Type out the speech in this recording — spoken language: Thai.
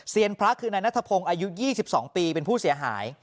เซียนพระคืนนาธพงศ์อายุยี่สิบสองปีเป็นผู้เสียหาย